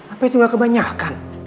apa itu gak kebanyakan